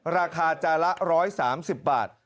ราคาจานละ๑๓๐บาท